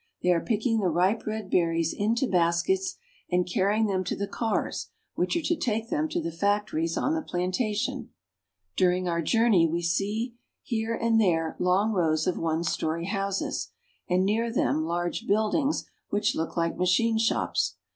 They are picking the ripe red berries into baskets and carrying them to the cars which are to take them to the factories on the plantation. Carting Coffee. During our journey we see here and there long rows of one story houses, and near them large buildings which look like machine shops.